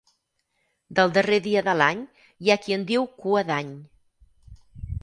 Del darrer dia de l'any hi ha qui en diu Cua d'Any.